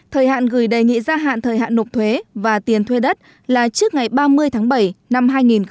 thời hạn gửi đề nghị gia hạn thời hạn nộp thuế và tiền thuê đất là trước ngày ba mươi tháng bảy năm hai nghìn hai mươi